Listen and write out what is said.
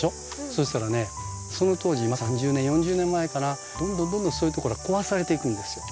そしたらねその当時３０年か４０年前かなどんどんどんどんそういうところが壊されていくんですよ。